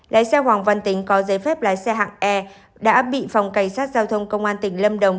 lái xe hoàng văn tính có giấy phép lái xe hạng e đã bị phòng cảnh sát giao thông công an tỉnh lâm đồng